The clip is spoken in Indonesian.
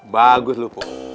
bagus lu bu